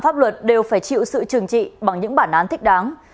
pháp luật đều phải chịu sự trừng trị bằng những bản án thích đáng